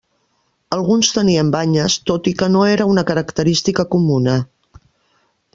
Alguns tenien banyes, tot i que no era una característica comuna.